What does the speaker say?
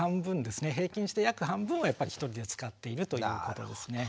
平均して約半分はやっぱり一人で使っているということですね。